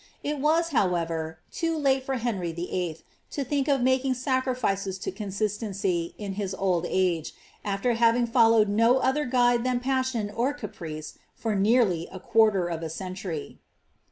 It was, how T, too late for Henry VIII. to think of making sacrifices to cod« jency, in his old age, aAer having followed no other guide than sion or caprice for nearly a quarter of a century.